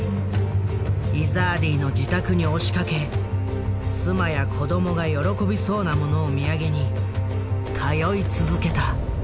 イザーディの自宅に押しかけ妻や子供が喜びそうなものを土産に通い続けた。